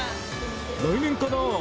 来年かな。